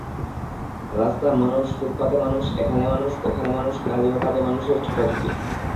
রাস্তায় মানুষ, ফুটপাথে মানুষ, এখানে মানুষ, ওখানে মানুষ, কাজে-অকাজে মানুষের ছোটাছুটি।